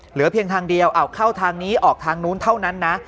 เหลือเพียงทางเดียวเอาเข้าทางนี้ออกทางนู้นเท่านั้นนะ